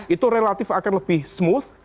itu relatif akan lebih smooth